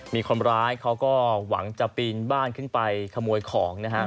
มีคนร้ายเขาก็หวังจะปีนบ้านขึ้นไปขโมยของนะครับ